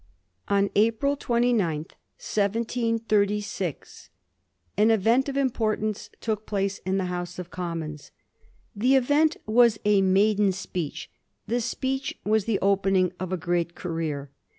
On April 29, 1736, an event of importance took place in the House of Commons; the event was a maiden speech, the speech was the opening of a great career.